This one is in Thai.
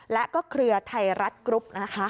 แล้วก็เครือไทรัตรกรุ๊ปนะฮะ